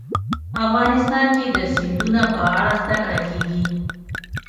افغانستان کې د سیندونه په اړه زده کړه کېږي.